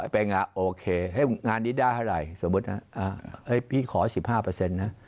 พี่ขอสิบห้าเปอร์เซ็นต์นะ